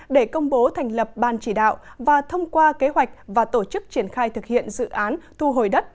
để công bố thành lập ban chỉ đạo và thông qua kế hoạch và tổ chức triển khai thực hiện dự án thu hồi đất